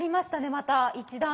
また一段と。